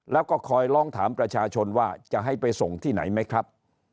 แล้วก็คอยร้องถามประชาชนว่าจะให้ไปส่งที่ไหนไหมครับ